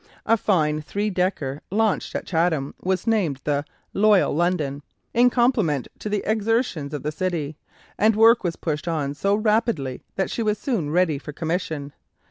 A fine three decker launched at Chatham was named the "Loyal London," in compliment to the exertions of the City, and work was pushed on so rapidly that she was soon ready for commission.